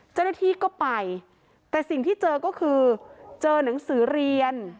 เจ้าหน้าที่ก็ไปแต่สิ่งที่เจอก็คือเจอหนังสือเรียน